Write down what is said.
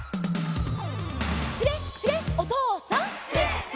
「フレッフレッおとうさん！」